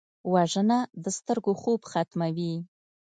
وژنه د سترګو خوب ختموي